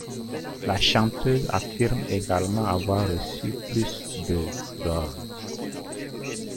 La chanteuse affirme également avoir reçu plus de d'or.